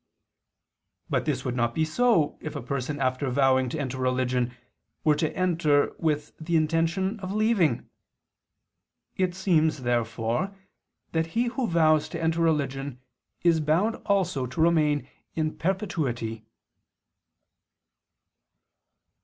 But this would not be so if a person after vowing to enter religion were to enter with the intention of leaving. It seems, therefore, that he who vows to enter religion is bound also to remain in perpetuity.